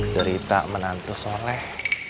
cerita menantu soleh